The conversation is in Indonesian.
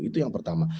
itu yang pertama